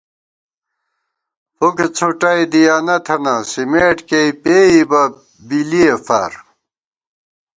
فُک څھُٹَئی دِیَنہ تھنہ سِمېٹ کېئی پېئیبہ بِلِئے فار